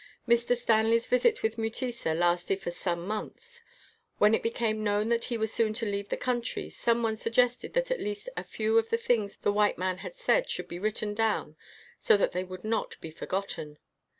Mr. Stanley's visit with Mutesa lasted for some months. When it became known that he was soon to leave the country, some one suggested that at least a few of the things the white man had said should be written down so that they would not be forgotten.